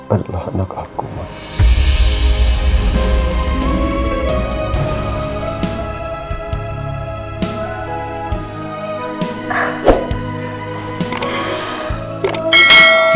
adalah anak aku mak